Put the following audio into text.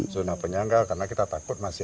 zona penyangga karena kita takut masih